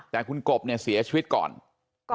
แต่คุณกบเนี่ยเสียชีวิตก่อน